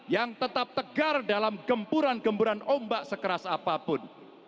yang tetap tegar dalam gempuran gemburan ombak sekeras apapun